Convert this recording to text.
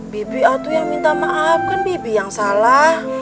bibi atu yang minta maaf kan bibi yang salah